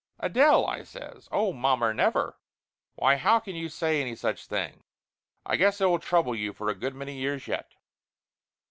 "Adele!" I says. "Oh, mommer, never! Why how can you say any such thing? I guess I will trouble you for a good many years yet